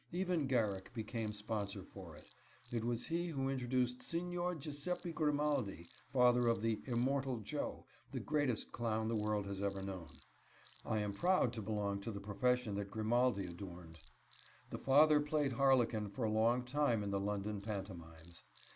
Even Garrick became sponsor for it. It was he who introduced Signor Giuseppe Grimaldi, father of the "Immortal Joe," the greatest clown the world has ever known. I am proud to belong to the profession that Grimaldi adorned. The father played Harlequin for a long time in the London pantomimes.